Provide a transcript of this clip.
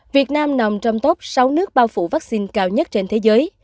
việt nam nằm trong top sáu nước bao phủ vaccine cao nhất trên thế giới